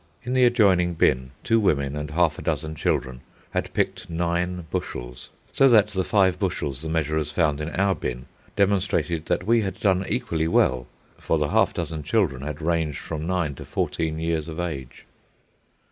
In the adjoining bin, two women and half a dozen children had picked nine bushels: so that the five bushels the measurers found in our bin demonstrated that we had done equally well, for the half dozen children had ranged from nine to fourteen years of age.